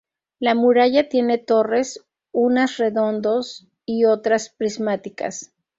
La muralla tiene torres, unas redondos y otras prismáticas.